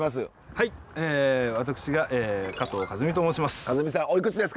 はい私が加藤一美と申します。